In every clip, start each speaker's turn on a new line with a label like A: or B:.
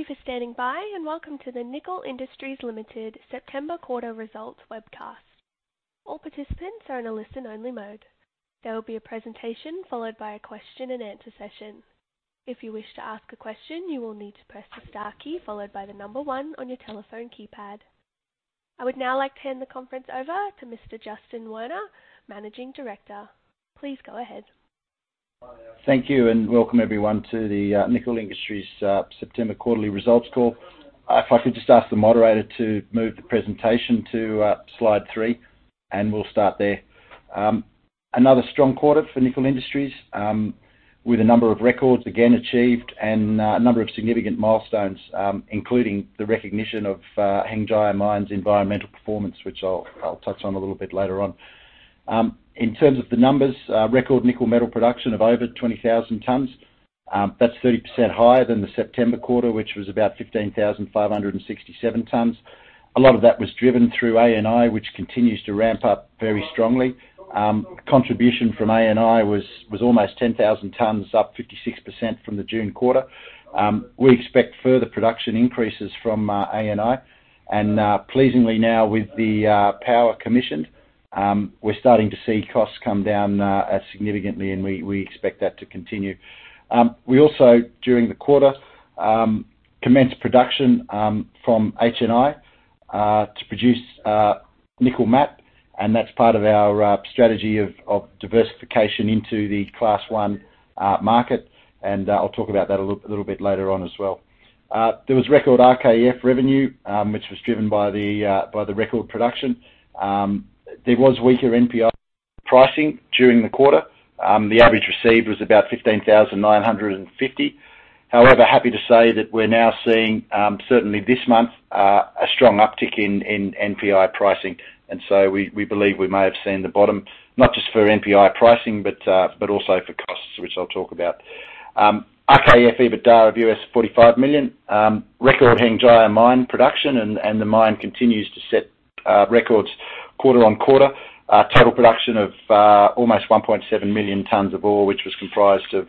A: Thank you for standing by, and welcome to the Nickel Industries Limited September quarter results webcast. All participants are in a listen-only mode. There will be a presentation followed by a question-and-answer session. If you wish to ask a question, you will need to press the star key followed by the number one on your telephone keypad. I would now like to hand the conference over to Mr. Justin Werner, Managing Director. Please go ahead.
B: Thank you and welcome everyone to the Nickel Industries September quarterly results call. If I could just ask the moderator to move the presentation to slide three, and we'll start there. Another strong quarter for Nickel Industries, with a number of records again achieved and a number of significant milestones, including the recognition of Hengjaya Mine's environmental performance, which I'll touch on a little bit later on. In terms of the numbers, record nickel metal production of over 20,000 tons. That's 30% higher than the September quarter, which was about 15,567 tons. A lot of that was driven through ANI, which continues to ramp up very strongly. Contribution from ANI was almost 10,000 tons, up 56% from the June quarter. We expect further production increases from ANI, and pleasingly now with the power commission, we're starting to see costs come down significantly, and we expect that to continue. We also, during the quarter, commenced production from HNI to produce nickel matte, and that's part of our strategy of diversification into the Class 1 market, and I'll talk about that a little bit later on as well. There was record RKEF revenue, which was driven by the record production. There was weaker NPI pricing during the quarter. The average received was about $15,950. However, happy to say that we're now seeing certainly this month a strong uptick in NPI pricing, and so we believe we may have seen the bottom, not just for NPI pricing but also for costs, which I'll talk about. RKEF EBITDA of $45 million. Record Hengjaya Mine production and the mine continues to set records quarter-on-quarter. Total production of almost 1.7 million tons of ore, which was comprised of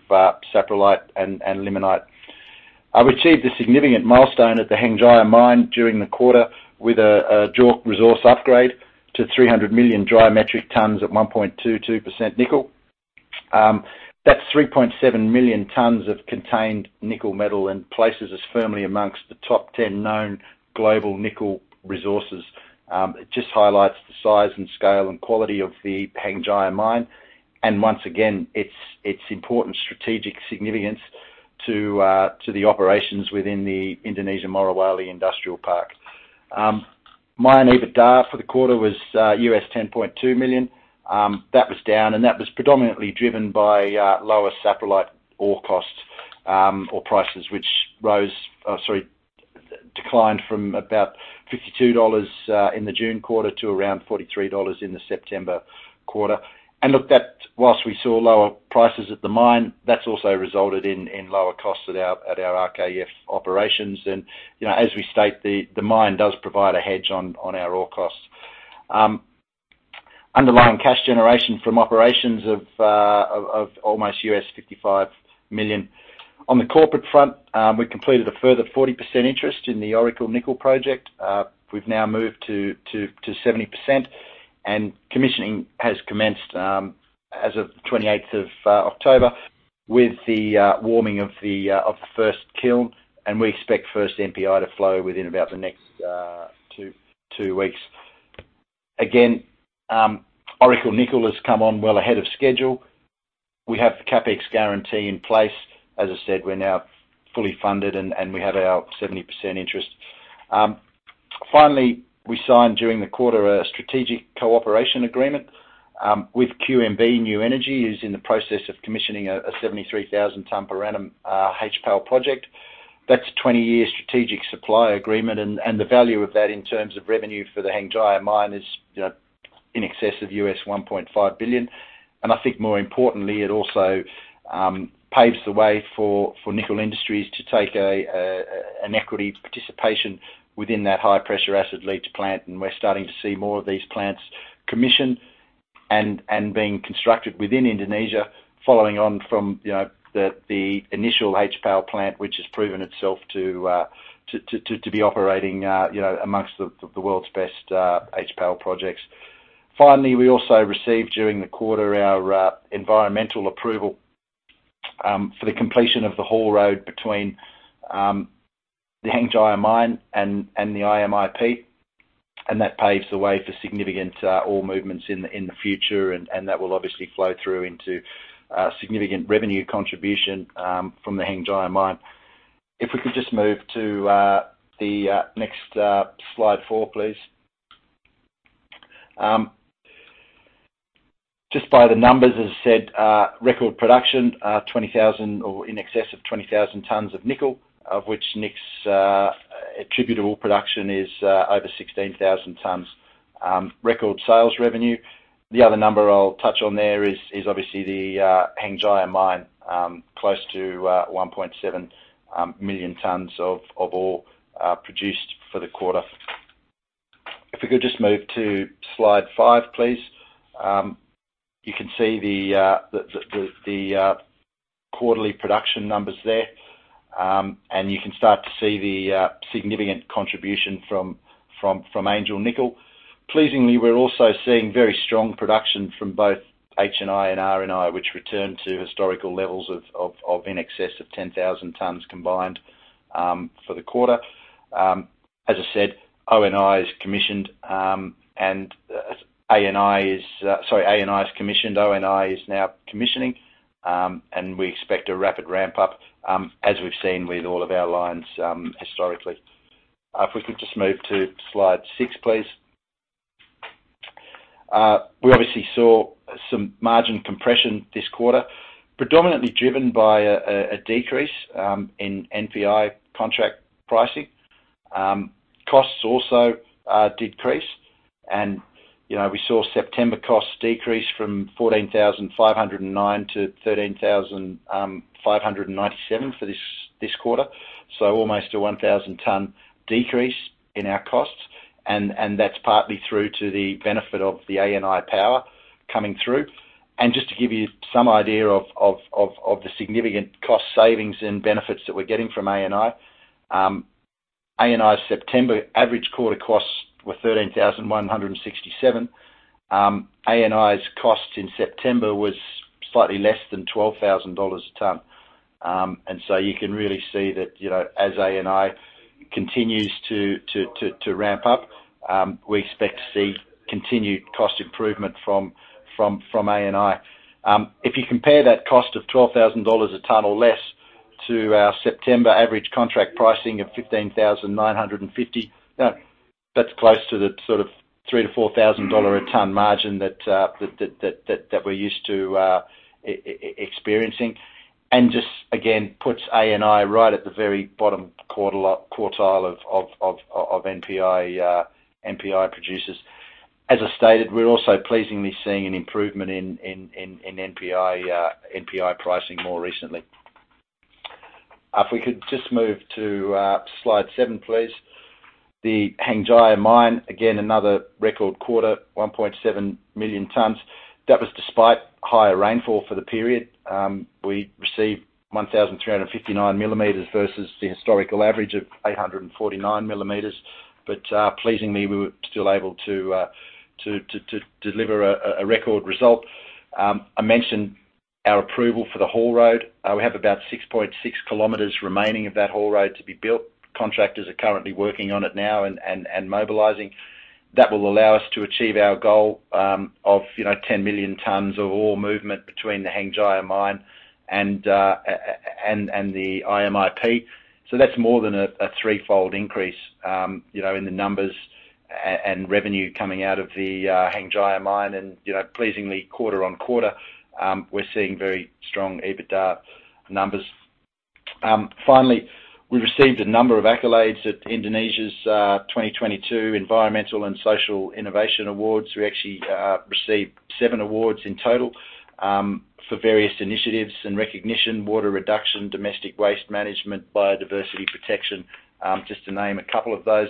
B: saprolite and limonite. We achieved a significant milestone at the Hengjaya Mine during the quarter with a JORC resource upgrade to 300 million dry metric tons at 1.22% nickel. That's 3.7 million tons of contained nickel metal and places us firmly among the top 10 known global nickel resources. It just highlights the size and scale and quality of the Hengjaya Mine, and once again, it's important strategic significance to the operations within the Indonesian Morowali Industrial Park. Mine EBITDA for the quarter was $10.2 million. That was down and that was predominantly driven by lower saprolite ore costs, or prices which declined from about $52 in the June quarter to around $43 in the September quarter. Look that while we saw lower prices at the mine that's also resulted in lower costs at our RKEF operations, and you know as we state the mine does provide a hedge on our ore costs. Underlying cash generation from operations of almost $55 million. On the corporate front, we completed a further 40% interest in the Oracle Nickel project. We've now moved to 70%, and commissioning has commenced, as of 28th of October with the warming of the first kiln and we expect first NPI to flow within about the next two weeks. Again, Oracle Nickel has come on well ahead of schedule we have the CapEx guarantee in place. As I said, we're now fully funded and we have our 70% interest. Finally, we signed during the quarter a strategic cooperation agreement with QMB New Energy Materials who's in the process of commissioning a 73,000 ton per annum HPAL project. That's a 20-year strategic supply agreement and the value of that in terms of revenue for the Hengjaya Mine is in excess of $1.5 billion. I think more importantly, it also paves the way for Nickel Industries to take an equity participation within that high-pressure acid leach plant, and we're starting to see more of these plants commissioned and being constructed within Indonesia following on from, you know, the initial HPAL plant, which has proven itself to be operating, you know, amongst the world's best HPAL projects. Finally, we also received during the quarter our environmental approval for the completion of the haul road between the Hengjaya Mine and the IMIP, and that paves the way for significant ore movements in the future and that will obviously flow through into significant revenue contribution from the Hengjaya Mine. If we could just move to the next slide four, please. Just by the numbers, as I said, record production, 20,000 or in excess of 20,000 tons of nickel, of which Nickel's attributable production is over 16,000 tons, record sales revenue. The other number I'll touch on there is obviously the Hengjaya Mine, close to 1.7 million tons of ore produced for the quarter. If we could just move to slide five, please. You can see the quarterly production numbers there. You can start to see the significant contribution from Angel Nickel. Pleasingly, we're also seeing very strong production from both HNI and RNI, which return to historical levels of in excess of 10,000 tons combined for the quarter. As I said, ONI is commissioned, and ANI is commissioned. ONI is now commissioning, and we expect a rapid ramp-up, as we've seen with all of our lines, historically. If we could just move to slide six, please. We obviously saw some margin compression this quarter, predominantly driven by a decrease in NPI contract pricing. Costs also decreased and, you know, we saw September costs decrease from $14,509-$13,597 for this quarter. Almost a 1,000-ton decrease in our costs and that's partly through to the benefit of the ANI power coming through. Just to give you some idea of the significant cost savings and benefits that we're getting from ANI. ANI September average quarter costs were $13,167. ANI's cost in September was slightly less than $12,000 a ton. You can really see that, you know, as ANI continues to ramp up, we expect to see continued cost improvement from ANI. If you compare that cost of $12,000 a ton or less to our September average contract pricing of $15,950, you know, that's close to the sort of $3,000-$4,000 a ton margin that we're used to experiencing. Just again puts ANI right at the very bottom quartile of NPI producers. As I stated, we're also pleasingly seeing an improvement in NPI pricing more recently. If we could just move to slide seven, please. The Hengjaya Mine, again, another record quarter, 1.7 million tons. That was despite higher rainfall for the period. We received 1,359 mm versus the historical average of 849 mm. Pleasingly; we were still able to deliver a record result. I mentioned our approval for the haul road. We have about 6.6 km remaining of that haul road to be built. Contractors are currently working on it now and mobilizing. That will allow us to achieve our goal, you know, of 10 million tons of ore movement between the Hengjaya Mine and the IMIP. That's more than a threefold increase, you know, in the numbers and revenue coming out of the Hengjaya Mine and, you know, pleasingly quarter-on-quarter, we're seeing very strong EBITDA numbers. Finally, we received a number of accolades at Indonesia's 2022 Environmental and Social Innovation Awards. We actually received seven awards in total for various initiatives and recognition, water reduction, domestic waste management, biodiversity protection, just to name a couple of those.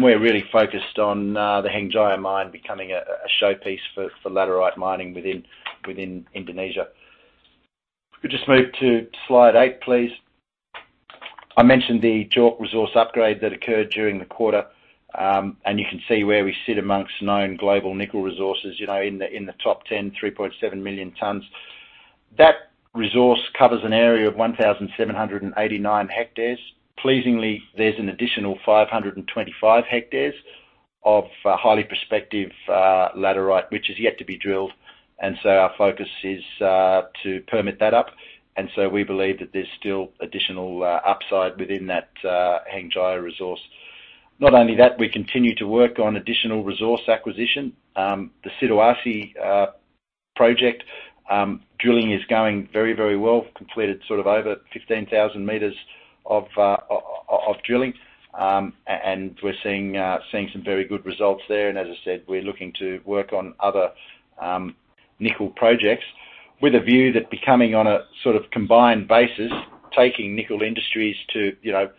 B: We're really focused on the Hengjaya Mine becoming a showpiece for laterite mining within Indonesia. If we could just move to slide eight, please. I mentioned the Hengjaya resource upgrade that occurred during the quarter, and you can see where we sit among known global nickel resources, you know, in the top 10, 3.7 million tons. That resource covers an area of 1,789 hectares. Pleasingly, there's an additional 525 hectares of highly prospective laterite, which is yet to be drilled. Our focus is to permit that up. We believe that there's still additional upside within that Hengjaya resource. Not only that, we continue to work on additional resource acquisition. The Sidoasih project drilling is going very, very well, completed sort of over 15,000 meters of drilling. We're seeing some very good results there. As I said, we're looking to work on other nickel projects with a view that becoming on a sort of combined basis, taking Nickel Industries to, you know,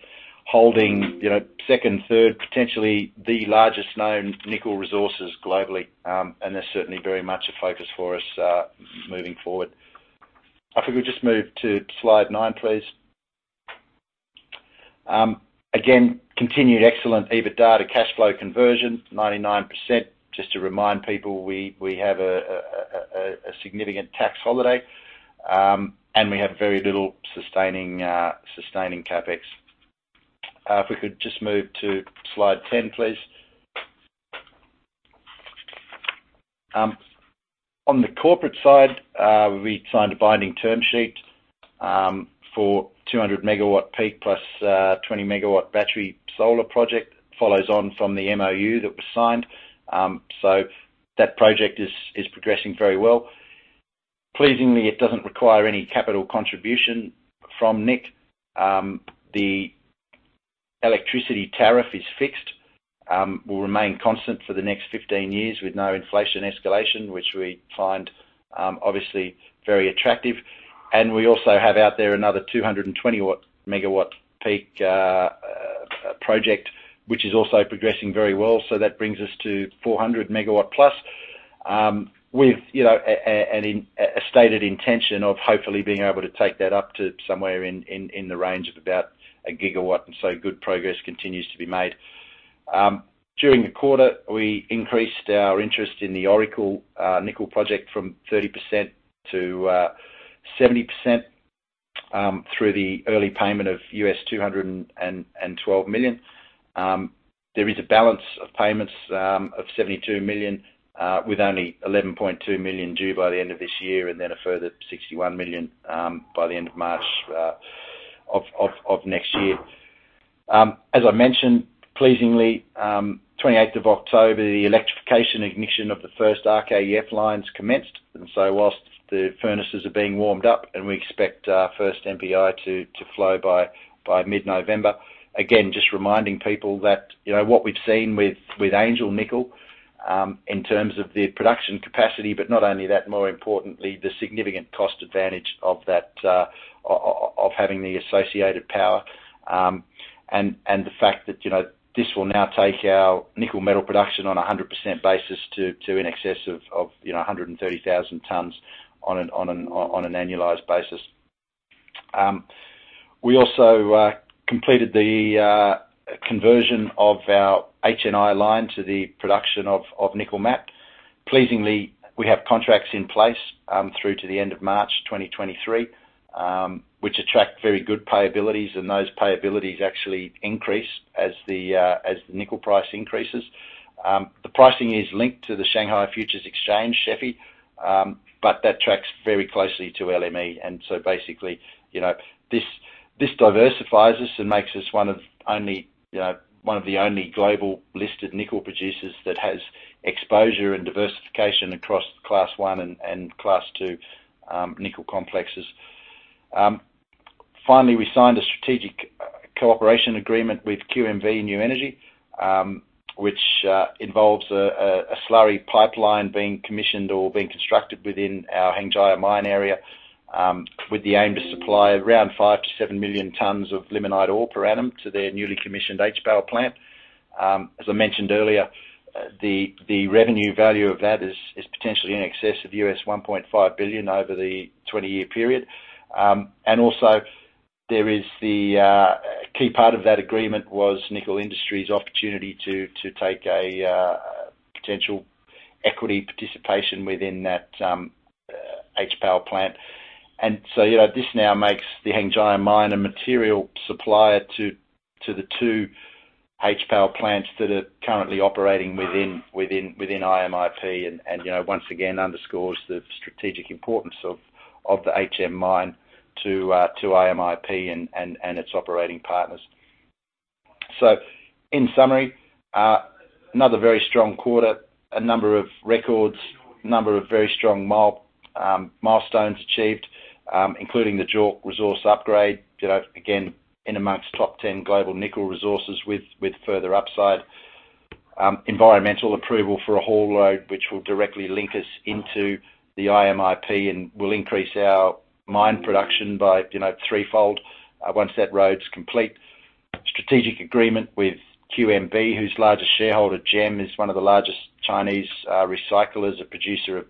B: holding, you know, second, third, potentially the largest known nickel resources globally. They're certainly very much a focus for us moving forward. If we could just move to slide nine please. Again, continued excellent EBITDA to cash flow conversion, 99%. Just to remind people, we have a significant tax holiday, and we have very little sustaining CapEx. If we could just move to slide 10, please. On the corporate side, we signed a binding term sheet for 200 MW peak plus 20 MW battery solar project, follows on from the MOU that was signed. That project is progressing very well. Pleasingly, it doesn't require any capital contribution from Nic. The electricity tariff is fixed, will remain constant for the next 15 years with no inflation escalation, which we find obviously very attractive. We also have out there another 220 MW peak project, which is also progressing very well. That brings us to 400 MW+, with, you know, a stated intention of hopefully being able to take that up to somewhere in the range of about 1 GW. Good progress continues to be made. During the quarter, we increased our interest in the Oracle Nickel project from 30%-70% through the early payment of $212 million. There is a balance of payments of $72 million with only $11.2 million due by the end of this year, and then a further $61 million by the end of March of next year. As I mentioned, pleasingly, 28th of October, the electrification ignition of the first RKEF lines commenced. While the furnaces are being warmed up, and we expect our first NPI to flow by mid-November. Again, just reminding people that, you know, what we've seen with Angel Nickel in terms of the production capacity, but not only that, more importantly, but the significant cost advantage of that of having the associated power. The fact that, you know, this will now take our nickel metal production on a 100% basis to in excess of, you know 130,000 tons on an annualized basis. We also completed the conversion of our HNI line to the production of nickel matte. Pleasingly, we have contracts in place through to the end of March 2023, which attract very good payabilities, and those payabilities actually increase as the nickel price increases. The pricing is linked to the Shanghai Futures Exchange, SHFE, but that tracks very closely to LME. Basically, you know, this diversifies us and makes us one of only you know, one of the only global listed nickel producers that has exposure and diversification across Class I and Class II nickel complexes. Finally, we signed a strategic cooperation agreement with PT QMB New Energy Materials, which involves a slurry pipeline being commissioned or being constructed within our Hengjaya Mine area, with the aim to supply around 5-7 million tons of limonite ore per annum to their newly commissioned HPAL plant. As I mentioned earlier, the revenue value of that is potentially in excess of $1.5 billion over the 20-year period. Also, there is the key part of that agreement was Nickel Industries opportunity to take a potential equity participation within that HPAL plant. You know, this now makes the Hengjaya Mine a material supplier to the two HPAL plants that are currently operating within IMIP. You know, once again underscores the strategic importance of the Hengjaya Mine to IMIP and its operating partners. In summary, another very strong quarter. A number of records a number of very strong milestones achieved, including the JORC resource upgrade. You know, again in amongst top 10 global nickel resources with further upside. Environmental approval for a haul road which will directly link us into the IMIP and will increase our mine production by, you know, threefold, once that road's complete. Strategic agreement with QMB, whose largest shareholder, GEM, is one of the largest Chinese recyclers, a producer of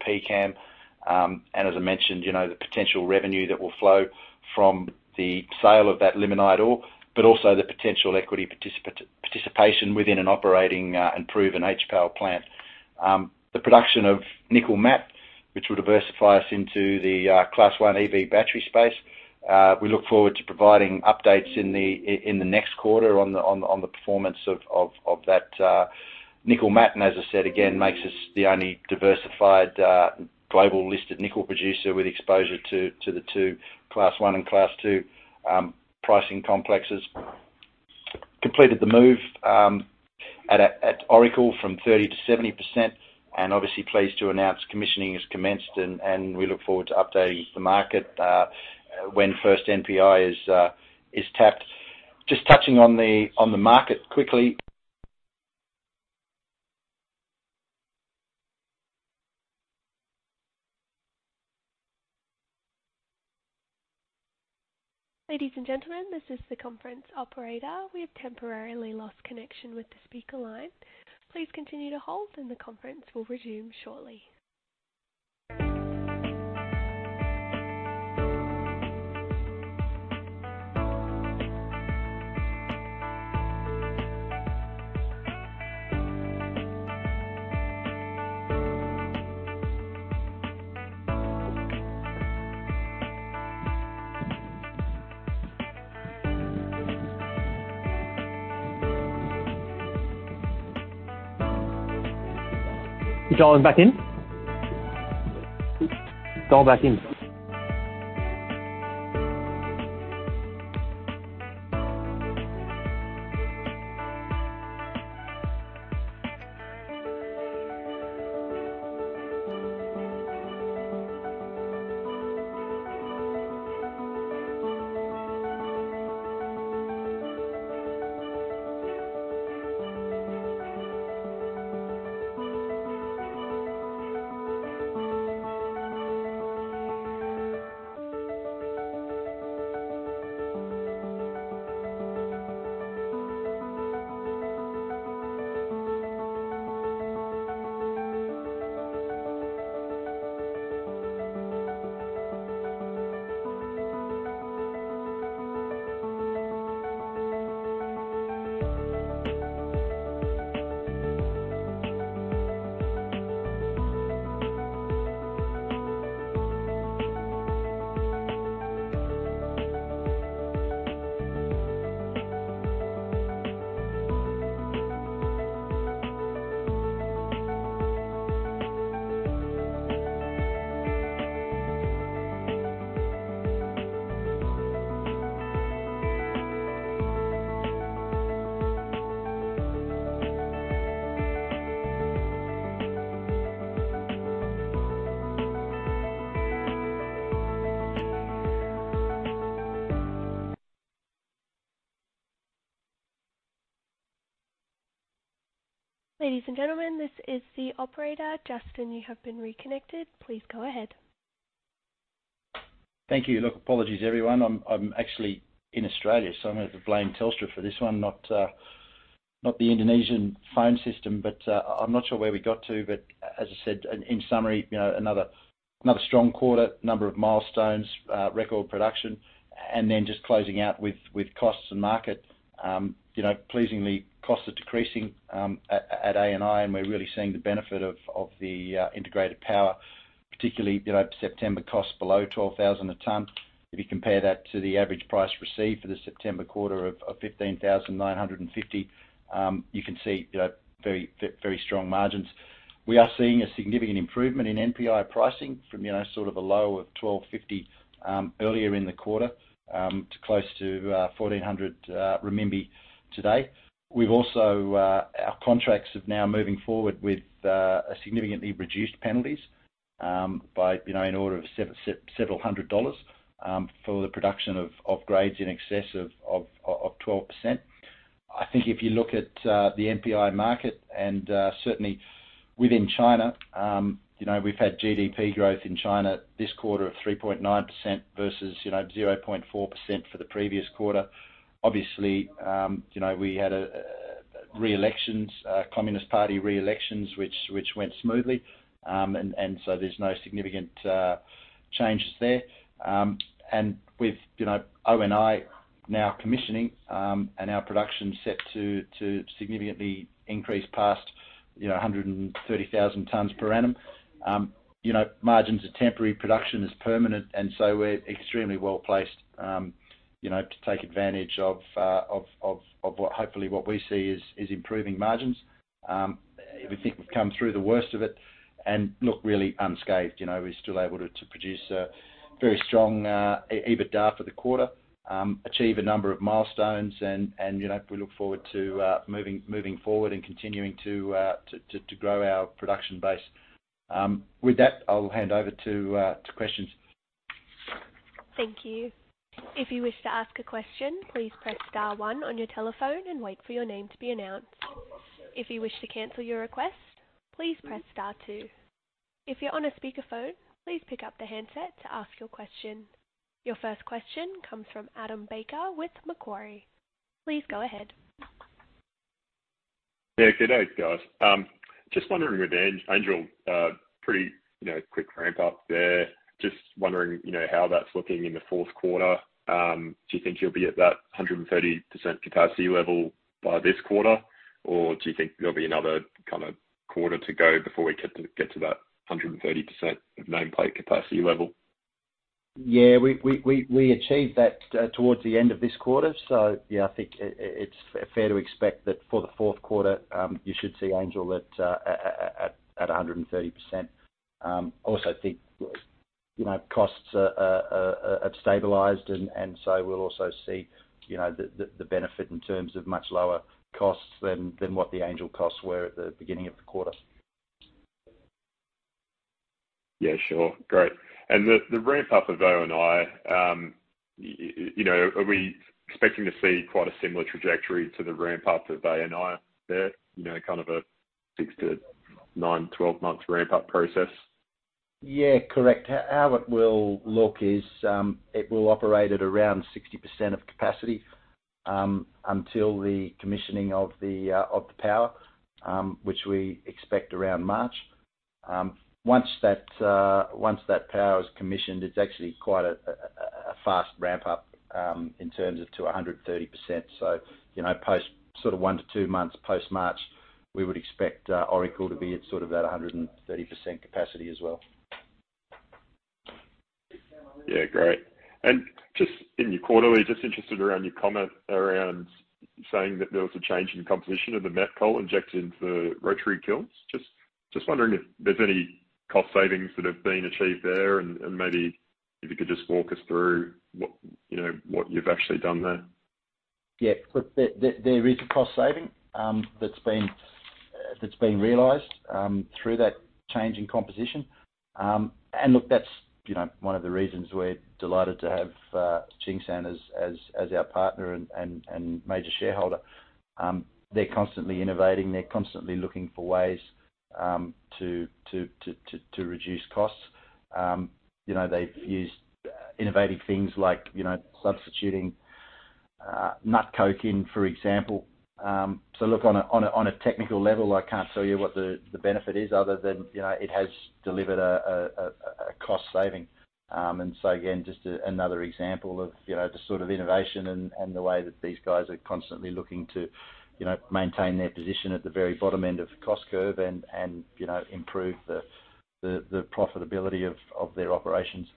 B: PCAM. As I mentioned you know, the potential revenue that will flow from the sale of that limonite ore, but also the potential equity participation within an operating and proven HPAL plant. The production of nickel matte, which will diversify us into the Class 1 EV battery space. We look forward to providing updates in the next quarter on the performance of that nickel matte. As I said again, makes us the only diversified global listed nickel producer with exposure to the two Class 1 and Class 2 pricing complexes. Completed the move at Oracle from 30%-70%, and obviously pleased to announce commissioning has commenced, and we look forward to updating the market when first NPI is tapped. Just touching on the market quickly.
A: Ladies and gentlemen, this is the conference operator. We have temporarily lost connection with the speaker line. Please continue to hold and the conference will resume shortly.
B: Is Alan back in?
A: Ladies and gentlemen, this is the operator. Justin, you have been reconnected. Please go ahead.
B: Thank you. Look, apologies everyone. I'm actually in Australia, so I'm gonna have to blame Telstra for this one, not the Indonesian phone system. I'm not sure where we got to, but as I said, in summary, you know, another strong quarter, number of milestones, record production, and then just closing out with costs and market. You know, pleasingly costs are decreasing at ANI, and we're really seeing the benefit of the integrated power, particularly, you know, September costs below $12,000 a ton. If you compare that to the average price received for the September quarter of $15,950, you can see, you know, very strong margins. We are seeing a significant improvement in NPI pricing from, you know, sort of a low of $1,250 earlier in the quarter to close to $1,400 renminbi today. We've also our contracts have now moving forward with a significantly reduced penalties by, you know, in order of several hundred dollars for the production of grades in excess of 12%. I think if you look at the NPI market and certainly within China, you know, we've had GDP growth in China this quarter of 3.9% versus, you know, 0.4% for the previous quarter. Obviously, you know, we had Communist Party re-elections which went smoothly, and so there's no significant changes there. With you know, ONI now commissioning, and our production set to significantly increase past, you know, 130,000 tons per annum. You know, margins are temporary, production is permanent, and so we're extremely well-placed, you know, to take advantage of what hopefully we see is improving margins. We think we've come through the worst of it and look really unscathed, you know. We're still able to produce a very strong EBITDA for the quarter, achieve a number of milestones and, you know, we look forward to moving forward and continuing to grow our production base. With that, I'll hand over to questions.
A: Thank you. If you wish to ask a question, please press star one on your telephone and wait for your name to be announced. If you wish to cancel your request, please press star two. If you're on a speakerphone, please pick up the handset to ask your question. Your first question comes from Adam Baker with Macquarie. Please go ahead.
C: Yeah. Good day, guys. Just wondering with Angel pretty you know quick ramp up there. Just wondering, you know, how that's looking in the fourth quarter. Do you think you'll be at that 130% capacity level by this quarter? Or do you think there'll be another kind of quarter to go before we get to that 130% of nameplate capacity level?
B: Yeah. We achieved that towards the end of this quarter. Yeah, I think it's fair to expect that for the fourth quarter, you should see Angel at 100%. Also I think, you know, costs are stabilized and we'll also see, you know, the benefit in terms of much lower costs than what the Angel costs were at the beginning of the quarter.
C: Yeah, sure. Great. The ramp-up of ONI, you know, are we expecting to see quite a similar trajectory to the ramp-up of ANI there? You know, kind of a six to nine, 12 months ramp-up process.
B: Yeah, correct. How it will look is, it will operate at around 60% of capacity until the commissioning of the power, which we expect around March. Once that power is commissioned, it's actually quite a fast ramp-up in terms of to 130%. You know, post sort of one to two months post-March, we would expect Oracle to be at sort of that a 130% capacity as well.
C: Yeah, great. Just in your quarterly just interested around your comment around saying that there was a change in composition of the met coal injected into the rotary kilns. Just wondering if there's any cost savings that have been achieved there and maybe if you could just walk us through what you know, what you've actually done there.
B: Yeah. Look, there is a cost saving that's been realized through that change in composition. Look, that's you know one of the reasons we're delighted to have Tsingshan as our partner and major shareholder. They're constantly innovating. They're constantly looking for ways to reduce costs. You know, they've used innovative things like you know substituting nut coke in, for example. Look on a technical level, I can't tell you what the benefit is other than you know it has delivered a cost saving. Again, just another example of, you know, the sort of innovation and the way that these guys are constantly looking to, you know, maintain their position at the very bottom end of cost curve and, you know, improve the profitability of their operations.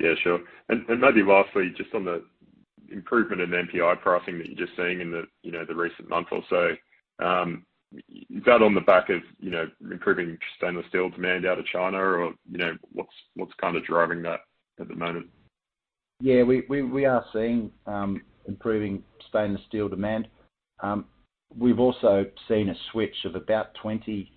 C: Yeah, sure. Maybe lastly, just on the improvement in NPI pricing that you're just seeing in the, you know, the recent month or so, is that on the back of you know improving stainless steel demand out of China or you know, what's kind of driving that at the moment?
B: Yeah, we are seeing improving stainless steel demand. We've also seen a switch of about 20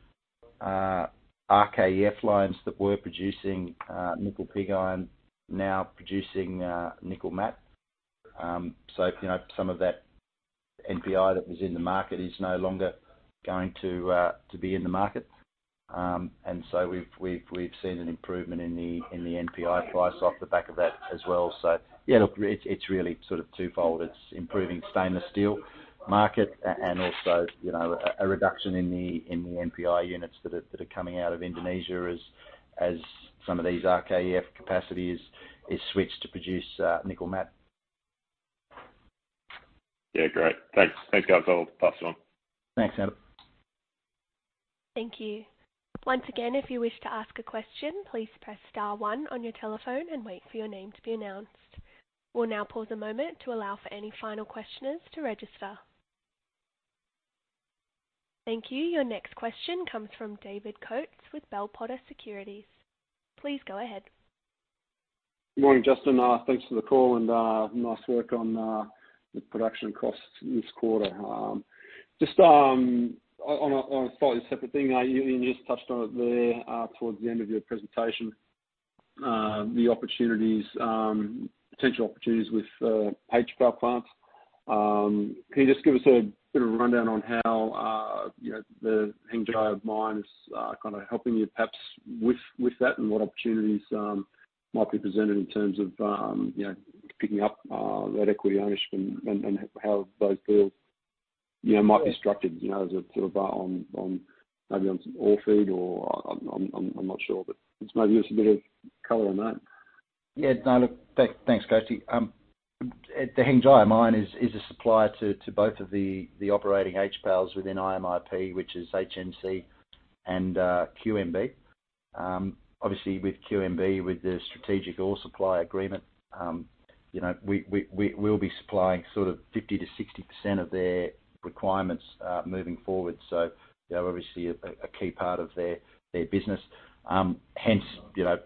B: RKEF lines that were producing nickel pig iron now producing nickel matte. You know, some of that NPI that was in the market is no longer going to be in the market. We've seen an improvement in the NPI price off the back of that as well. Yeah, look, it's really sort of twofold. It's improving stainless steel market and also, you know, a reduction in the NPI units that are coming out of Indonesia as some of these RKEF capacity is switched to produce nickel matte.
C: Yeah, great thanks. Thanks, guys. I'll pass it on.
B: Thanks, Adam.
A: Thank you. Once again, if you wish to ask a question, please press star one on your telephone and wait for your name to be announced. We'll now pause a moment to allow for any final questioners to register. Thank you. Your next question comes from David Coates with Bell Potter Securities. Please go ahead.
D: Good morning, Justin. Thanks for the call and nice work on the production costs this quarter. Just on a slightly separate thing, you just touched on it there towards the end of your presentation, the opportunities the potential opportunities with HPAL plants. Can you just give us a bit of a rundown on how, you know, the Hengjaya Mine is kind of helping you perhaps with that and what opportunities might be presented in terms of, you know, picking up that equity ownership and how those deals, you know, might be structured, you know, as a sort of on some ore feed or I'm not sure, but just maybe give us a bit of color on that.
B: Yeah. No, look, thanks Coates. The Hengjaya mine is a supplier to both of the operating HPALs within IMIP, which is HNC and QMB. Obviously with QMB, with the strategic ore supply agreement, you know, we'll be supplying sort of 50%-60% of their requirements moving forward. They're obviously a key part of their business. Hence, you know,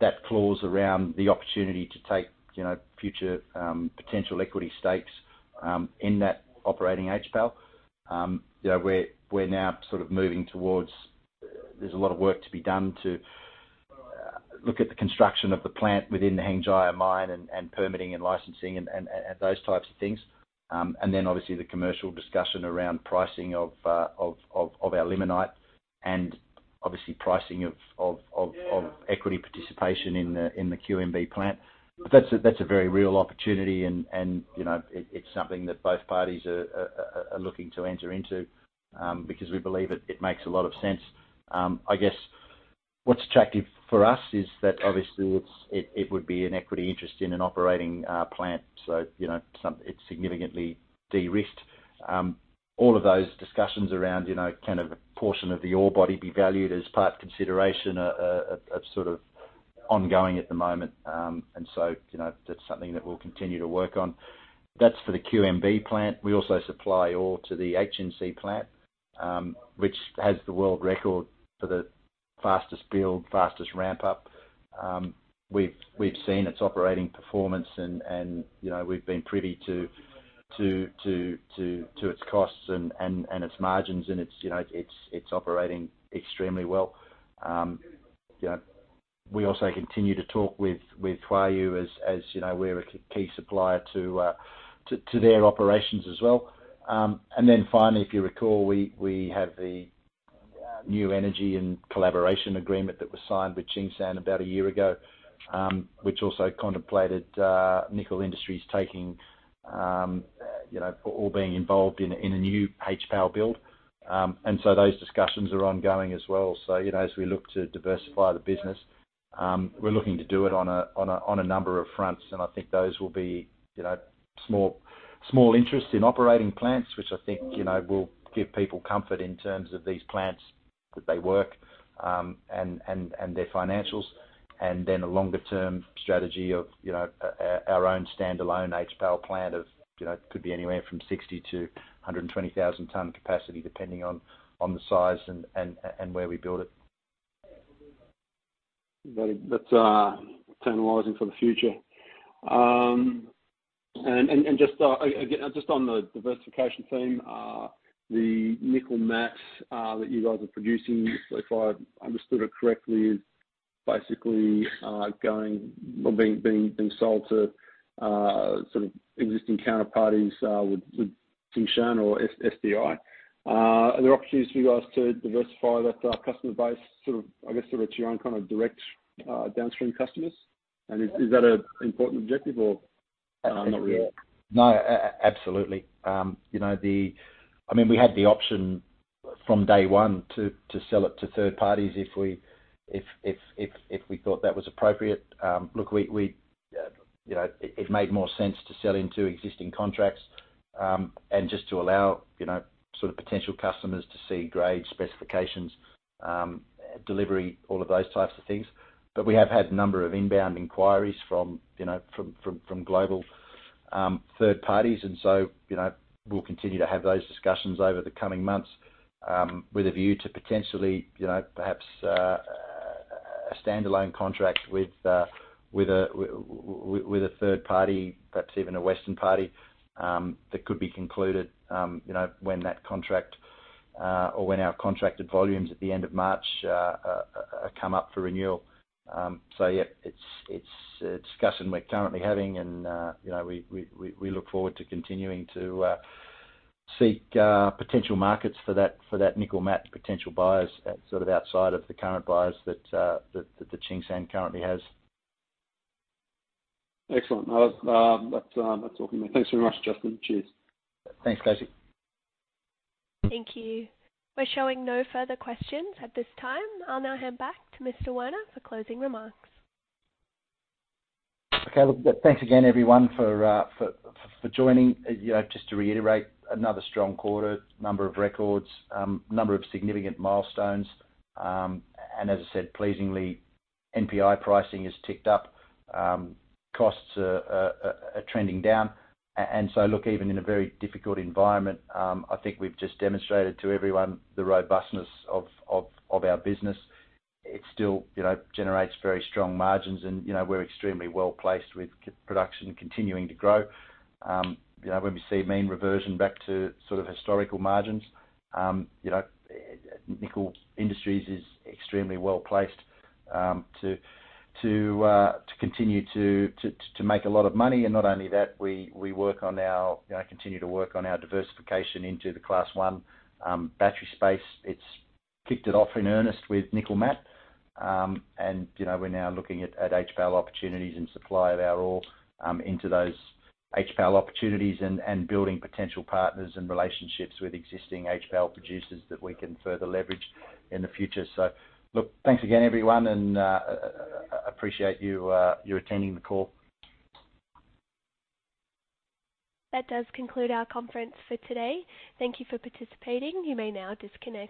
B: that clause around the opportunity to take, you know, future potential equity stakes in that operating HPAL. You know, we're now sort of moving towards. There's a lot of work to be done to look at the construction of the plant within the Hengjaya Mine and permitting and licensing and those types of things. Obviously the commercial discussion around pricing of our limonite and obviously pricing of equity participation in the QMB plant. That's a very real opportunity and, you know, it's something that both parties are looking to enter into, because we believe it makes a lot of sense. I guess what's attractive for us is that obviously it would be an equity interest in an operating plant. You know, it's significantly de-risked. All of those discussions around, you know, can a portion of the ore body be valued as part of consideration are sort of ongoing at the moment. You know, that's something that we'll continue to work on. That's for the QMB plant. We also supply ore to the HNC plant, which has the world record for the fastest build, fastest ramp up. We've seen its operating performance and, you know, we've been privy to its costs and its margins and it's you know, it's operating extremely well. You know, we also continue to talk with Huayou as you know, we're a key supplier to their operations as well. Then finally if you recall we have the new energy and collaboration agreement that was signed with Tsingshan about a year ago, which also contemplated Nickel Industries taking, you know, or being involved in a new HPAL build. Those discussions are ongoing as well. You know, as we look to diversify the business, we're looking to do it on a number of fronts. I think those will be, you know, small interest in operating plants which I think you know, will give people comfort in terms of these plants that they work, and their financials. Then a longer-term strategy of, you know, our own standalone HPAL plant of, you know, could be anywhere from 60-120,000 ton capacity, depending on the size and where we build it.
D: That's tantalizing for the future. And just again, just on the diversification theme, the nickel matte that you guys are producing, if I understood it correctly, is basically going or being sold to sort of existing counterparties with Tsingshan or SDI. Are there opportunities for you guys to diversify that customer base, sort of, I guess sort of to your own kind of direct downstream customers? Is that an important objective or not really?
B: No, absolutely. You know, I mean we had the option from day one to sell it to third parties if we thought that was appropriate. Look, you know, it made more sense to sell into existing contracts, and just to allow, you know, sort of potential customers to see grade specifications delivery all of those types of things. We have had a number of inbound inquiries from you know global third parties. You know, we'll continue to have those discussions over the coming months, with a view to potentially, you know perhaps a standalone contract with a third party perhaps even a Western party that could be concluded you know, when that contract or when our contracted volumes at the end of March come up for renewal. Yeah, it's a discussion we're currently having and you know, we look forward to continuing to seek potential markets for that nickel matte potential buyers sort of outside of the current buyers that the Tsingshan currently has.
D: Excellent. No, that's all from me. Thanks very much, Justin. Cheers.
B: Thanks, David Coates.
A: Thank you. We're showing no further questions at this time. I'll now hand back to Mr. Werner for closing remarks.
B: Okay. Look, thanks again everyone for joining. You know, just to reiterate another strong quarter, number of records, number of significant milestones. As I said, pleasingly, NPI pricing has ticked up. Costs are trending down. Look, even in a very difficult environment, I think we've just demonstrated to everyone the robustness of our business. It still, you know, generates very strong margins and, you know, we're extremely well-placed with production continuing to grow. You know, when we see mean reversion back to sort of historical margins, you know, Nickel Industries is extremely well-placed to continue to make a lot of money. Not only that we you know, continue to work on our diversification into the Class 1 battery space. It's kicked it off in earnest with nickel matte. We're now looking at HPAL opportunities and supply of our ore into those HPAL opportunities and building potential partners and relationships with existing HPAL producers that we can further leverage in the future. Look thanks again, everyone, and appreciate you attending the call.
A: That does conclude our conference for today. Thank you for participating. You may now disconnect.